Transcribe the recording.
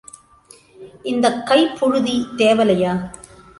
இந்தக் கைப் புழுதி தேவலையா?